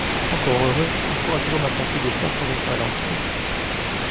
Encore heureux ! Il pourra toujours m’apporter des fleurs quand je serai dans le trou